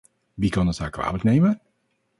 Wie kan het haar kwalijk nemen?